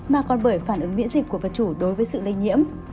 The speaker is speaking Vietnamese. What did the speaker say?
mà còn bởi phản ứng miễn dịch của vật chủ đối với sự lây nhiễm